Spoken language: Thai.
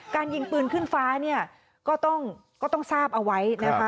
การยิงปืนขึ้นฟ้าก็ต้องทราบเอาไว้นะคะ